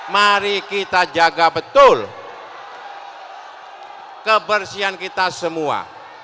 mari kita jaga betul kebersihan kita semua